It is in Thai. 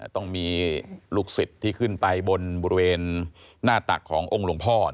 ต้องมีลูกศิษย์ที่ขึ้นไปบนบริเวณหน้าตักขององค์หลวงพ่อ